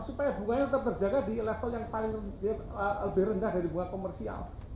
supaya bunganya tetap terjaga di level yang paling rendah dari bunga komersial